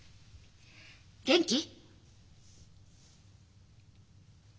元気？